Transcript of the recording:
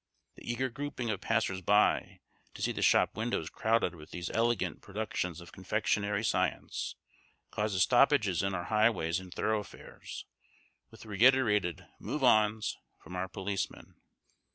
The eager grouping of passers by, to see the shop windows crowded with these elegant productions of confectionary science, causes stoppages in our highways and thoroughfares, with reiterated "Move ons" from our policemen.